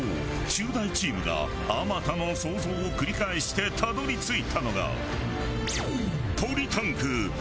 中大チームがあまたの創造を繰り返してたどり着いたのが。